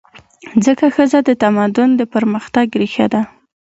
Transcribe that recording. ځکه ښځه د تمدن د پرمختګ ریښه ده.